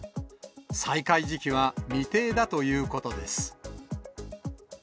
再開時期は未定だということです。